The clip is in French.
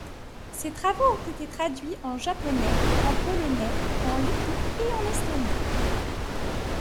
Ses travaux ont été traduits en japonais, en polonais, en letton et en estonien.